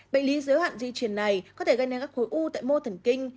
bệnh lý dưới hoạn di truyền này có thể gây nên các khối u tại mô thần kinh